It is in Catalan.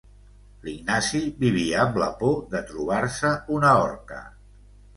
L'Ignasi vivia amb la por de trobar-se una orca.